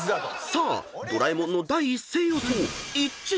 ［さあドラえもんの第一声予想一致するか］